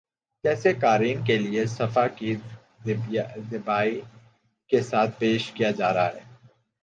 جسے قارئین کے لیے صفحہ کی زیبائی کے ساتھ پیش کیا جارہاہے